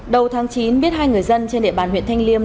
đầu tháng chín biết hai người dân trên địa bàn huyện thanh liêm